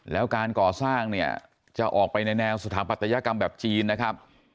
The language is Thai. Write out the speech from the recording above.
แล้วการก่อสร้างเนี่ยจะออกไปในแนวสถาปัตยกรรมแบบจีนนะครับ